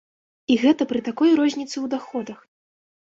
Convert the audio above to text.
І гэта пры такой розніцы ў даходах!